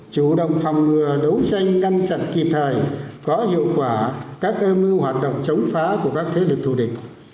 chủ động phòng ngừa đấu tranh ngăn chặn kịp thời có hiệu quả các âm mưu hoạt động chống phá của các thế lực thù địch